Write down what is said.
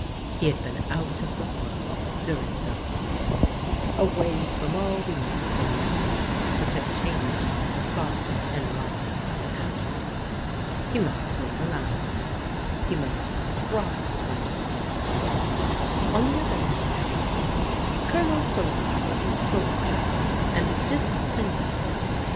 He had been out of the world during those years, away from all the influences which had changed the thought and life of the country. He must make allowances; he must try to understand. On the other hand, however, O)lonel Trelawney was a soldier and a disciplinarian.